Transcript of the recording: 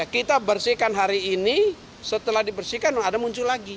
kita bersihkan hari ini setelah dibersihkan ada muncul lagi